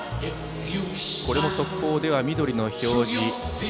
これも速報では緑の表示。